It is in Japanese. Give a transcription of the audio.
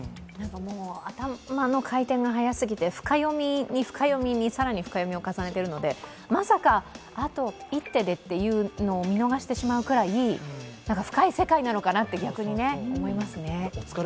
頭の回転が早すぎで深読みに深読みに更に深読みを重ねているのでまさか、あと１手でというのを見逃してしまうくらい深い世界なのかなって、逆に思いますね。